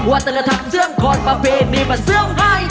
ว่าแต่ละทางเสื้อมคลอนประเภทมีบันเสื้อมหาย